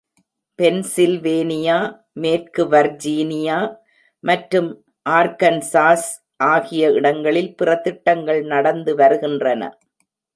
Pennsylvania, மேற்கு Virginia மற்றும் Arkansas ஆகிய இடங்களில் பிற திட்டங்கள் நடந்து வருகின்றன.